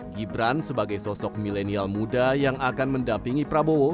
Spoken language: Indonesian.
gibran sebagai sosok milenial muda yang akan mendampingi prabowo